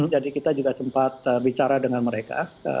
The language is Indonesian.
jadi kita juga sempat bicara dengan mereka